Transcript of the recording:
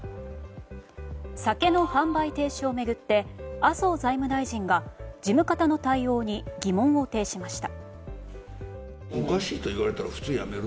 酒の販売停止を巡って麻生財務大臣が事務方の対応に疑問を呈しました。